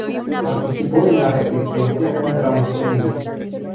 Participó en la Resistencia contra Mussolini.